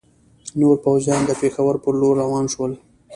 نور پوځیان د پېښور پر لور روان شول.